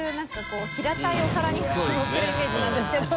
こう平たいお皿にのってるイメージなんですけど。